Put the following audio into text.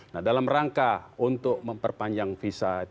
nah dalam rangka untuk memperpanjang visa